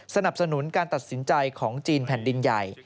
สนับสนุนการตัดสินใจของจีนแผ่นดินใหญ่